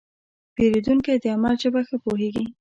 پیرودونکی د عمل ژبه ښه پوهېږي.